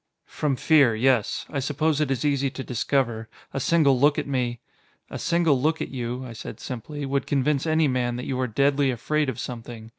"From fear, yes. I suppose it is easy to discover. A single look at me...." "A single look at you," I said simply, "would convince any man that you are deadly afraid of something.